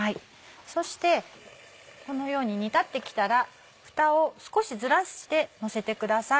そしてこのように煮立ってきたらふたを少しずらしてのせてください。